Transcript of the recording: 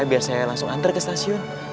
biar saya langsung antar ke stasiun